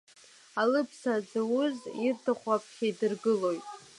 Алыԥсаа дзауз ирҭаху аԥхьа идыргылоит.